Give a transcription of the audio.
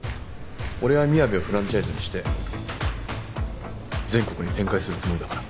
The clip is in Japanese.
俺はみやべをフランチャイズにして全国に展開するつもりだから。